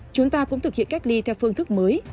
chúng ta cũng thực hiện cách ly theo phương thức mới